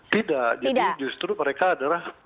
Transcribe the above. tidak jadi justru mereka adalah